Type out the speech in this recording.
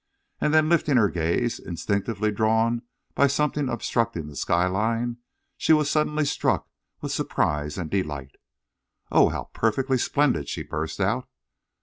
And then lifting her gaze, instinctively drawn by something obstructing the sky line, she was suddenly struck with surprise and delight. "Oh! how perfectly splendid!" she burst out.